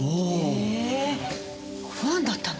へぇファンだったの？